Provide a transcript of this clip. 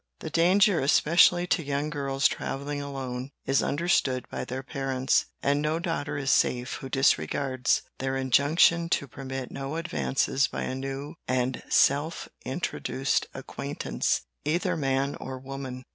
The danger, especially to young girls traveling alone, is understood by their parents; and no daughter is safe who disregards their injunction to permit no advances by a new and self introduced acquaintance, either man or woman.